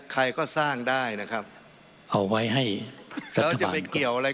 ใครก็สร้างได้นะครับเอาไว้ให้แล้วจะไปเกี่ยวอะไร